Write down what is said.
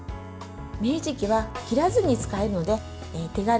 芽ひじきは切らずに使えるので手軽。